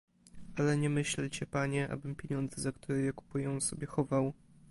"Ale nie myślcie, panie, abym pieniądze, za które je kupują, sobie chował..."